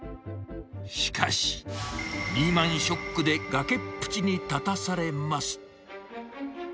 しかし、リーマンショックで崖っぷちに立たされます。